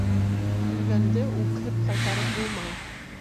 Үлгәнде үкһеп ҡайтарып булмай.